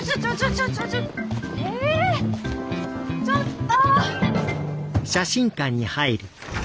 ちょっと！